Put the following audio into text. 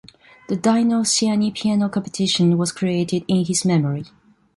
The Dino Ciani Piano Competition was created in his memory.